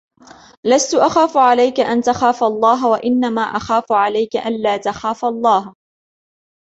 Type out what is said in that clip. لَسْت أَخَافُ عَلَيْك أَنْ تَخَافَ اللَّهَ وَإِنَّمَا أَخَافُ عَلَيْك أَنْ لَا تَخَافَ اللَّهَ